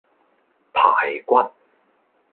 排骨